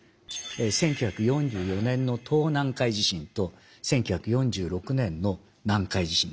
１９４４年の東南海地震と１９４６年の南海地震なんです。